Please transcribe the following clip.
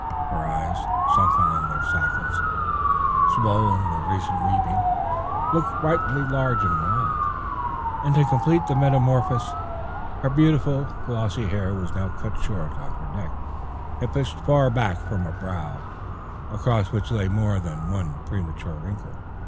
Her eyes, sunken in their sockets, and swollen with recent weeping, looked frightfully large and wild, and to complete the metamorphosis, her beautiful, glossy hair was now cut short on her neck, and pushed far back from a brow, across which lay more than one premature wrinkle.